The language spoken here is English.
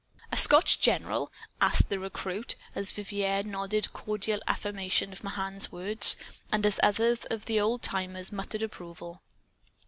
"A Scotch general?" asked the recruit, as Vivier nodded cordial affirmation of Mahan's words, and as others of the old timers muttered approval.